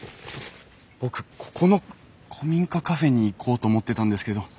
僕ここの古民家カフェに行こうと思ってたんですけど。